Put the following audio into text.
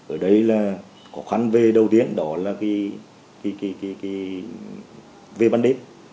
ở đây là khó khăn về đầu tiên đó là về bắn đếp